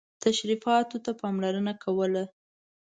تشریفاتو ته پاملرنه کوله.